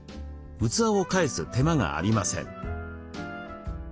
器を返す手間がありません。